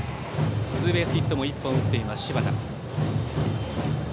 ツーベースヒットも１本打っている柴田。